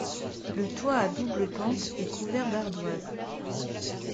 Le toit à double pente est couvert d'ardoises.